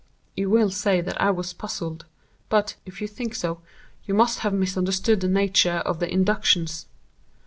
"You will say that I was puzzled; but, if you think so, you must have misunderstood the nature of the inductions.